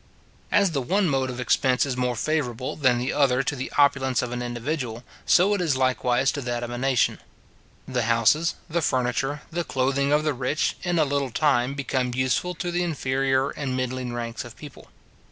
As the one mode of expense is more favourable than the other to the opulence of an individual, so is it likewise to that of a nation. The houses, the furniture, the clothing of the rich, in a little time, become useful to the inferior and middling ranks of people.